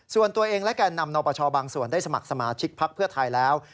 ส่วนตัวเองและแก่นำนปชบางส่วนได้สมัครสมาชิกพักเพื่อไทยแล้ว